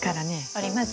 ありますよ。